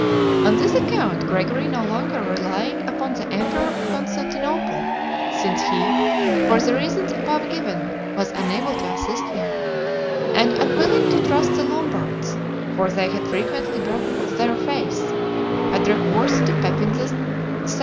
On this account, Gregory no longer relying upon the emperor of Constantinople, since he, for the reasons above given, was unable to assist him, and unwilling to trust the Lombards, for they had frequently broken their faith, had recourse to Pepin II.